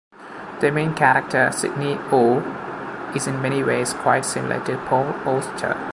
The main character, Sidney Orr, is in many ways quite similar to Paul Auster.